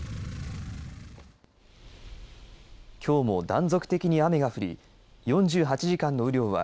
きょうも断続的に雨が降り４８時間の雨量は